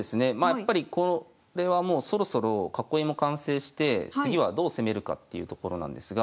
やっぱりこれはもうそろそろ囲いも完成して次はどう攻めるかっていうところなんですが。